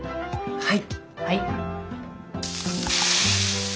はい。